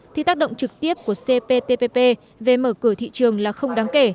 thì tác động trực tiếp của cptpp về mở cửa thị trường là không đáng kể